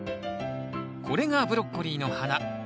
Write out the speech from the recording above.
これがブロッコリーの花。